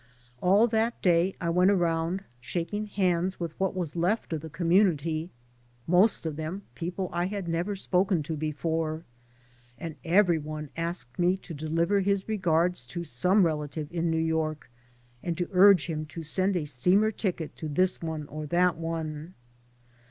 All that day I went around shaking hands with what was left of the community — ^most of them people I had never spoken to before — ^and every one asked me to deliver his regards to some relative in New York, and to urge him to send a steamer ticket to this one or that one.